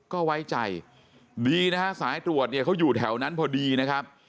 ก็ไว้ใจดีนะฮะสายตรวจเนี่ยเขาอยู่แถวนั้นพอดีนะครับ